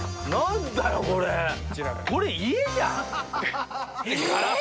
これ家じゃん！